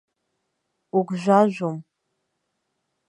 Угәжәажәом.